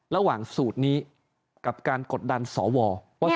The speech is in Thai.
ระหว่างสูตรนี้กับการกดดันสวว่า